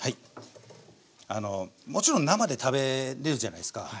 もちろん生で食べれるじゃないすか。